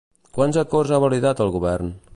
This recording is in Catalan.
Quants acords ha validat el govern?